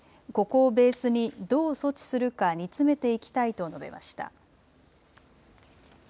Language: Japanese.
ここをベースにどう措置するか煮詰めていきたいと述べました。